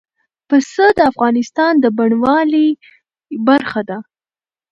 پسه د افغانستان د بڼوالۍ برخه ده.